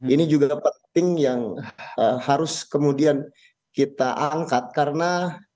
ini juga penting yang harus kemudian kita angkat karena